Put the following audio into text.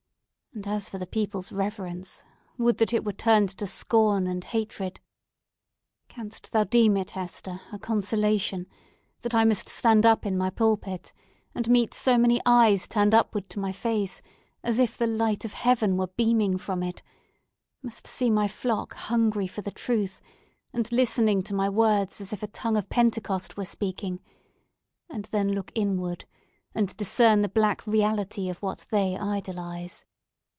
And as for the people's reverence, would that it were turned to scorn and hatred! Canst thou deem it, Hester, a consolation that I must stand up in my pulpit, and meet so many eyes turned upward to my face, as if the light of heaven were beaming from it!—must see my flock hungry for the truth, and listening to my words as if a tongue of Pentecost were speaking!—and then look inward, and discern the black reality of what they idolise?